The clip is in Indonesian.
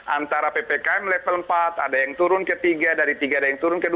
antara ppkm level empat ada yang turun ke tiga dari tiga ada yang turun ke dua